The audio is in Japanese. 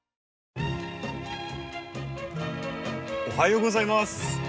おはようございます。